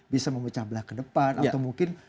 bisa memecah belah ke depan atau mungkin